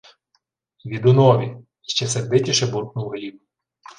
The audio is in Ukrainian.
— Відунові, — ще сердитіше буркнув Гліб.